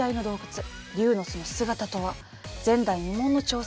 前代未聞の挑戦。